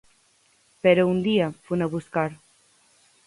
Pero un día funa buscar.